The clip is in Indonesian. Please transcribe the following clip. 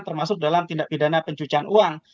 termasuk dalam tindak pidana pencucian uang